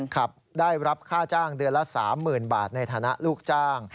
ขับได้รับค่าจ้างเดือนละ๓๐๐๐บาทในฐานะลูกจ้าง